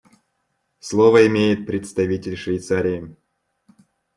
Слово имеет представитель Швейцарии.